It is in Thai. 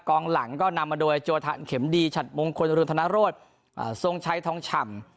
กองหลังก็นำมาโดยโจทันเข็มดีฉัดมงคลอรุณธนโรศทรงชัยทองฉ่ำ